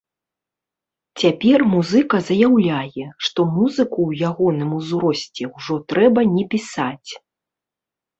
Цяпер музыка заяўляе, што музыку ў ягоным узросце ўжо трэба не пісаць.